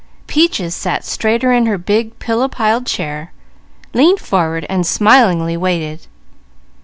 Peaches sat straighter in her big pillow piled chair, leaned forward, and smilingly waited.